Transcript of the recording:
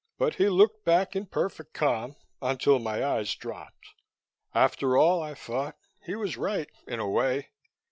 But he looked back in perfect calm, until my eyes dropped. After all, I thought, he was right in a way.